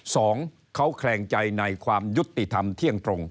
สองเขาแคลงใจในความยุติธรรมเที่ยงตรง